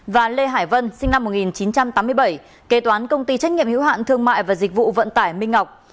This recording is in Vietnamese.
và lê hải vân sinh năm một nghìn chín trăm tám mươi bảy kế toán công ty trách nhiệm hiếu hạn thương mại và dịch vụ vận tải minh ngọc